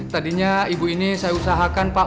tadinya ibu ini saya usahakan pak